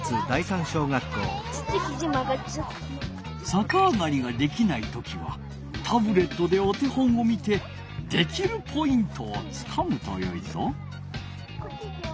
さかあがりができない時はタブレットでお手本を見てできるポイントをつかむとよいぞ。